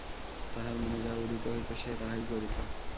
তাহার মনে যাহা উদিত হইত, সে তাহাই করিত।